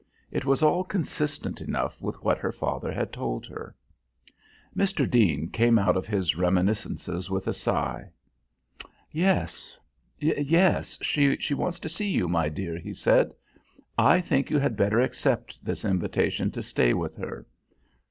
It was all consistent enough with what her father had told her. Mr. Deane came out of his reminiscences with a sigh. "Yes, yes; she wants to see you, my dear," he said. "I think you had better accept this invitation to stay with her.